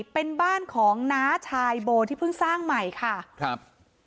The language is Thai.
เป็นบ้านของน้าชายโบที่เพิ่งสร้างใหม่ค่ะครับ